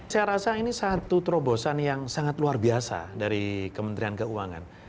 saya rasa ini satu terobosan yang sangat luar biasa dari kementerian keuangan